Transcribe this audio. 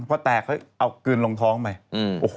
พอแตกเรากึนลงท้องอีก